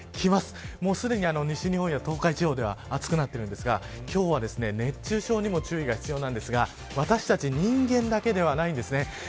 すでに西日本や東海地方では暑くなっているんですが今日は熱中症にも注意が必要なんですが私たち人間だけではないんです。